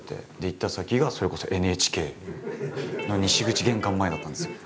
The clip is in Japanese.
行った先がそれこそＮＨＫの西口玄関前だったんですよ。